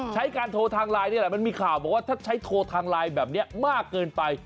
ใช้การโทรทางไลน์นี่แหละมันมีข่าวบอกว่าถ้าใช้โทรทางไลน์แบบนี้มากเกินไป